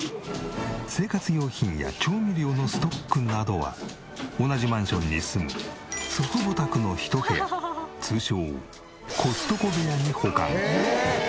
生活用品や調味料のストックなどは同じマンションに住む祖父母宅の一部屋通称コストコ部屋に保管。